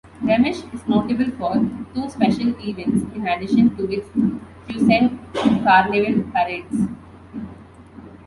Remich is notable for two special events in addition to its Fuesend Karneval parades.